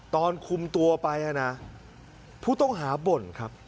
ตอนคุมตัวไปนะผู้ต้องหาบ่นครับ